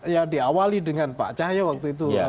ya diawali dengan pak cahyo waktu itu